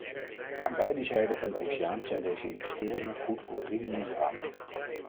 Aan beide zijden van de oceaan zijn deze investeringen goed voor drie miljoen banen.